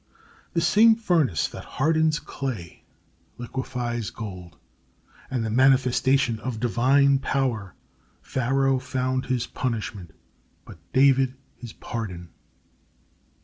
The same furnace that hardens clay liquefies gold; and the manifestation of Divine power Pharaoh found his punishment, but David his pardon.